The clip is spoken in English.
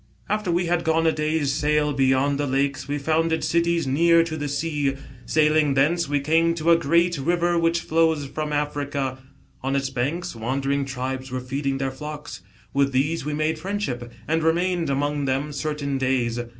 " After we had gone a day's sail beyond the lakes, we founded cities near to the sea. Sailing thence, we came to a great river which flows from Africa. On its banks wandering tribes were feeding their flocks. With these we made friendship, and re mained among them certain days.